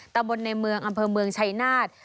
ตะบนในมืออำเภอเมืองชัยนาธิ์